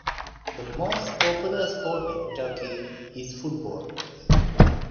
The most popular sport in Turkey is football.